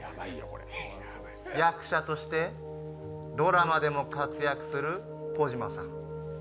役者としてドラマでも活躍する児嶋さん。